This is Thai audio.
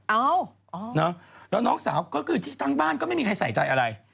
เอาแล้วน้องสาวก็คือที่ทั้งบ้านก็ไม่มีใครใส่ใจอะไร